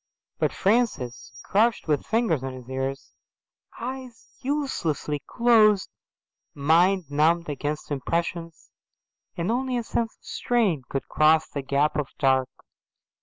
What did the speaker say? But Francis crouched with fingers on his ears, eyes uselessly closed, mind numbed against impressions, and only a sense of strain could cross the gap of dark.